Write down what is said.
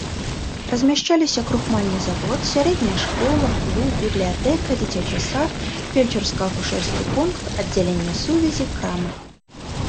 Размяшчаліся крухмальны завод, сярэдняя школа, клуб, бібліятэка, дзіцячы сад, фельчарска-акушэрскі пункт, аддзяленне сувязі, крама.